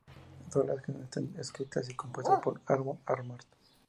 Todas las canciones están escritas y compuestas por Amon Amarth.